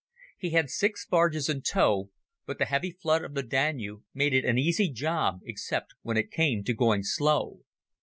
He had six barges in tow, but the heavy flood of the Danube made it an easy job except when it came to going slow.